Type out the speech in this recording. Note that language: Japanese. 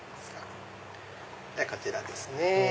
こちらですね。